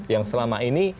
yang selama ini